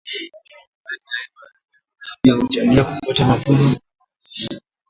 hali ya hewa pia huchangia kupata mavuno ya tofauti